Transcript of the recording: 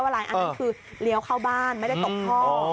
อันนั้นคือเลี้ยวเข้าบ้านไม่ได้ตกท่อ